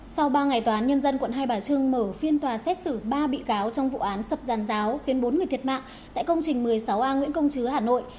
sau ba ngày tòa án nhân dân quận hai bà trưng mở phiên tòa xét xử ba bị cáo trong vụ án sập giàn giáo khiến bốn người thiệt mạng tại công trình một mươi sáu a nguyễn công chứ hà nội